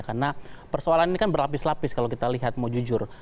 karena persoalan ini kan berlapis lapis kalau kita lihat mau jujur